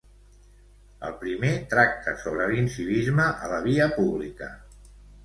El primer tracta sobre l'incivisme a la via pública.